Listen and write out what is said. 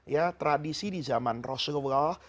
ya tradisi di zaman rasulullah